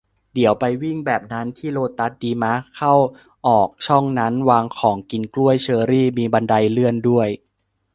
เดี๋ยวไปวิ่งแบบนั้นที่โลตัสดีมะ ? เข้าออกช่องชั้นวางของ กินกล้วย เชอรี่ มีบันไดเลื่อนด้วย